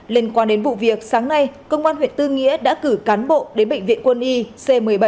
liên quan đến vụ việc sáng nay công an huyện tư nghĩa đã cử cán bộ đến bệnh viện quân y c một mươi bảy